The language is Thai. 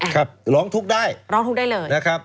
ครับร้องทุกข์ได้ร้องทุกข์ได้เลยนะครับ